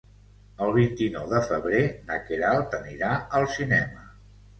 El vint-i-nou de febrer na Queralt anirà al cinema.